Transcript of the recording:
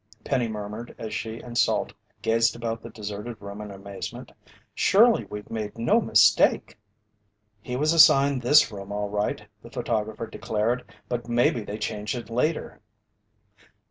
Penny murmured as she and Salt gazed about the deserted room in amazement. "Surely we've made no mistake." "He was assigned this room all right," the photographer declared. "But maybe they changed it later."